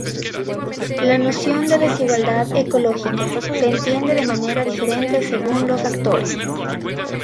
La noción de desigualdad ecológica se entiende de manera diferente según los actores.